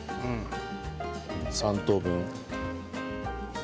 ３等分。